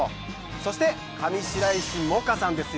そして上白石萌歌さんですよ。